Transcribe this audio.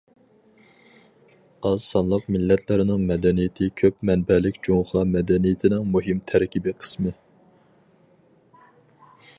ئاز سانلىق مىللەتلەرنىڭ مەدەنىيىتى كۆپ مەنبەلىك جۇڭخۇا مەدەنىيىتىنىڭ مۇھىم تەركىبىي قىسمى.